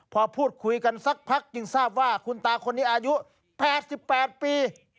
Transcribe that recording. พอพูดคุยกันสักพักจึงทราบว่าคุณตาคนนี้อายุ๘๘ปี